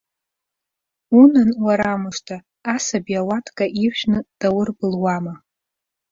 Унан, уарамыжда, асаби ауатка иржәны даурбылуама!